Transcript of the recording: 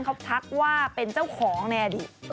เขาทักว่าเป็นเจ้าของในอดีต